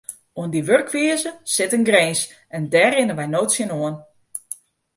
Oan dy wurkwize sit in grins en dêr rinne wy no tsjinoan.